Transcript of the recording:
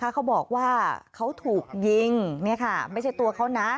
เขาบอกว่าเขาถูกยิงไม่ใช่ตัวเขานะ